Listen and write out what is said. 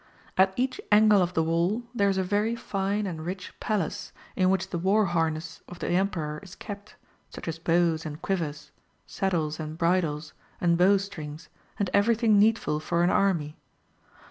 At each angle of the wall there is a very fine and rich palace in which the war harness of the Emperor is kept, such as bows and quivers, saddles and bridles, and bowstrings, and everything needful for an army.